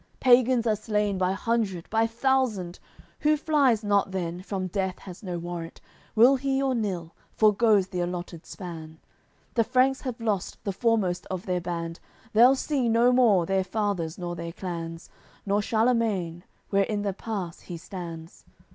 Pagans are slain by hundred, by thousand, Who flies not then, from death has no warrant, Will he or nill, foregoes the allotted span. The Franks have lost the foremost of their band, They'll see no more their fathers nor their clans, Nor Charlemagne, where in the pass he stands.